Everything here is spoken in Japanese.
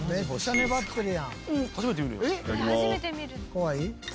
怖い？